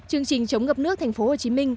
chương trình chống ngập nước tp hcm